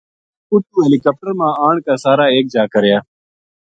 اُتو ہیلی کاپٹر ما آن کے سارا ایک جا کریا